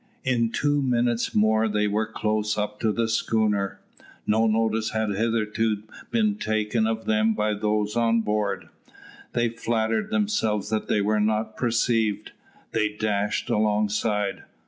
In two minutes more they were close up to the schooner. No notice had hitherto been taken of them by those on board. They flattered themselves that they were not perceived. They dashed alongside.